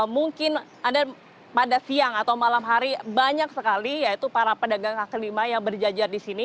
mungkin anda pada siang atau malam hari banyak sekali yaitu para pedagang kaki lima yang berjajar di sini